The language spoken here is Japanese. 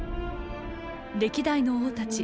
歴代の王たち